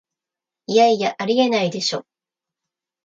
いやいや、ありえないでしょ